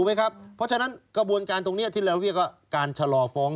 เพราะฉะนั้นกระบวนการตรงนี้ที่เราเรียกว่าการชะลอฟ้อง